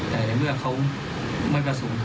แต่ในเมื่อเขาไม่ประสงค์